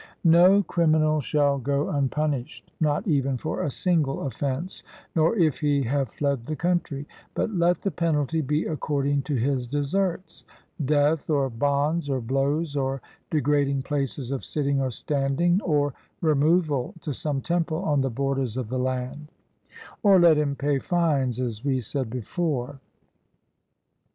No criminal shall go unpunished, not even for a single offence, nor if he have fled the country; but let the penalty be according to his deserts death, or bonds, or blows, or degrading places of sitting or standing, or removal to some temple on the borders of the land; or let him pay fines, as we said before.